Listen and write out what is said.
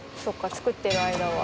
作ってる間は」